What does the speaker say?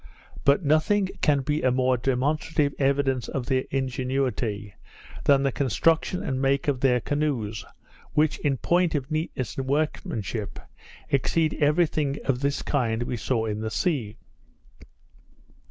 But nothing can be a more demonstrative evidence of their ingenuity than the construction and make of their canoes, which, in point of neatness and workmanship, exceed every thing of this kind we saw in this sea.